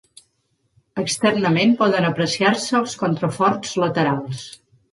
Externament poden apreciar-se els contraforts laterals.